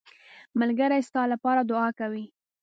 ملګری ستا لپاره دعا کوي